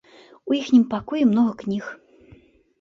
У іхнім пакоі многа кніг.